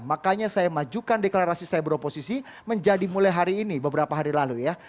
makanya saya majukan deklarasi saya beroposisi menjadi mulai hari ini beberapa hari lalu ya